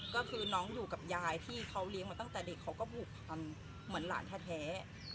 ก็คือน้องอยู่กับยายที่เขาเลี้ยงมาตั้งแต่เด็กเขาก็ผูกพันเหมือนหลานแท้